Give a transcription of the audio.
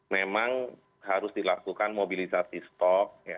memang harus dilakukan mobilisasi stok